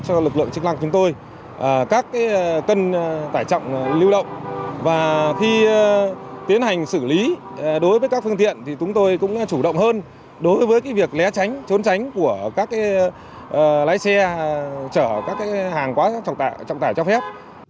cho lực lượng chức năng chúng tôi các cân tải trọng lưu động và khi tiến hành xử lý đối với các phương tiện thì chúng tôi cũng chủ động hơn đối với việc lé tránh trốn tránh của các lái xe chở các hàng quá trọng tải trọng tải cho phép